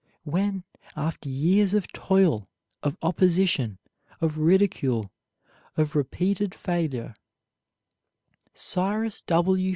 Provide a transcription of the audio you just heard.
When, after years of toil, of opposition, of ridicule, of repeated failure, Cyrus W.